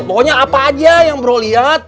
pokoknya apa aja yang bro lihat